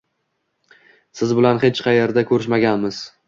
Siz bilan hech qaerda ko`rishmaganmiz